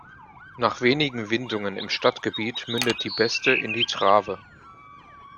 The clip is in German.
Nach wenigen Windungen im Stadtgebiet mündet die Beste in die Trave.